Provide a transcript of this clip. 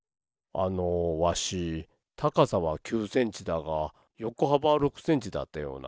あのわし高さは９センチだがよこはばは６センチだったような。